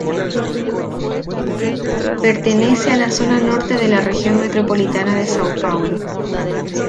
Pertenece a la zona norte de la región metropolitana de São Paulo.